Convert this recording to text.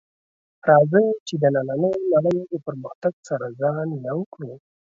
راځئ چې د نننۍ نړۍ د پرمختګ سره ځان یو کړو